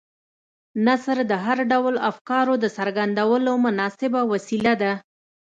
نثر د هر ډول افکارو د څرګندولو مناسبه وسیله ده.